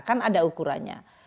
kan ada ukurannya